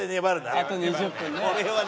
あと２０分ね。